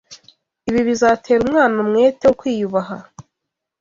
Ibi bizatera umwana umwete wo kwiyubaha